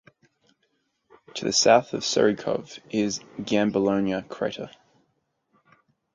To the south of Surikov is Giambologna crater.